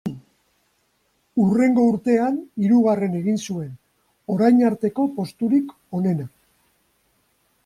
Hurrengo urtean hirugarren egin zuen, orain arteko posturik onena.